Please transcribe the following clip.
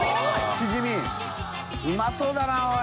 チヂミうまそうだなおい。